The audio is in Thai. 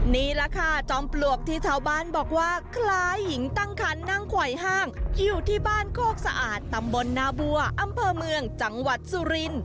นี่แหละค่ะจอมปลวกที่ชาวบ้านบอกว่าคล้ายหญิงตั้งคันนั่งไขว่ห้างอยู่ที่บ้านโคกสะอาดตำบลนาบัวอำเภอเมืองจังหวัดสุริน